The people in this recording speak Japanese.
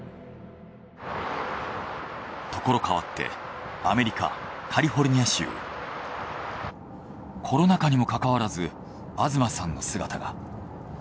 ところ変わってアメリカ・カリフォルニア州。コロナ禍にもかかわらず東さんの姿が。